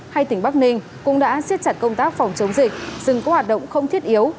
hay tỉnh bắc ninh cũng đã xiết chặt công tác phòng chống dịch dừng có hoạt động không thiết yếu